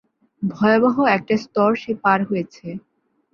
ভয়াবহ একটা স্তর সে পার হয়েছে।